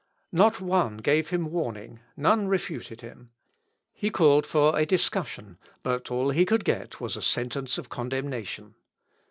Not one gave him warning, none refuted him. He called for a discussion; but all he could get was a sentence of condemnation.